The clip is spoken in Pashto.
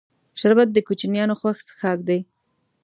شربت د کوشنیانو خوښ څښاک دی